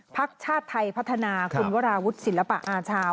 พักชาติไทยพัฒนาคุณวราวุฒิศิลปะอาชา